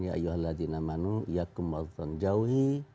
ya ayyuhal ladinna manu ya kumal fulang jauhi